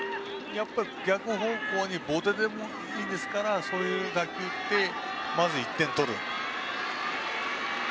逆方向にボテでもいいですからそういう打球でまず１点取る。